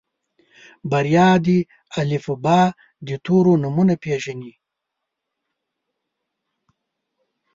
بريا د الفبا د تورو نومونه پېژني.